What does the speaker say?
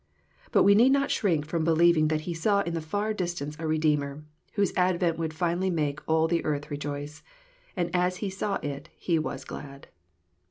But we need not shrink from believing that he saw in the far distance a Redeemer, whose advent would finally make all the earth rejoice. And as he saw it, he " was glad."